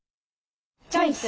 チョイス！